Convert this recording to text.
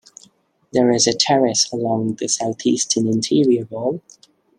There is a terrace along the southeastern interior wall.